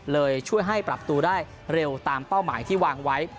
ช่วยให้ปรับตัวได้เร็วตามเป้าหมายที่วางไว้